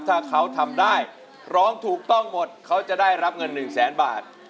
ถ้าเขาทำได้ร้องถูกต้องหมดเขาจะได้รับเงิน๑แสนบาท